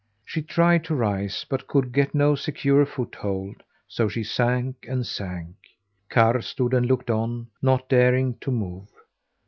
She tried to rise, but could get no secure foothold, so she sank and sank. Karr stood and looked on, not daring to move.